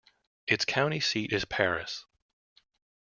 Its county seat is Paris.